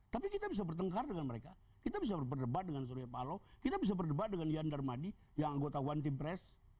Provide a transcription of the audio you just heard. tapi kita bisa bertengkar dengan mereka kita bisa berdebat dengan surya paloh kita bisa berdebat dengan yandar madi yang anggota one team press